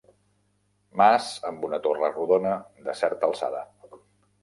Mas amb una torre rodona de certa alçada.